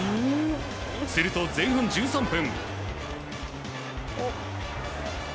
すると、前半１３分。